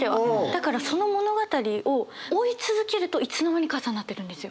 だからその物語を追い続けるといつの間にか朝になってるんですよ。